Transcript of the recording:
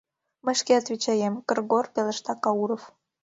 — Мый шке отвечаем, — кыр-гор пелешта Кауров.